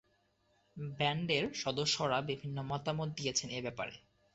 ব্যান্ডের সদস্যরা বিভিন্ন মতামত দিয়েছেন এ ব্যাপারে।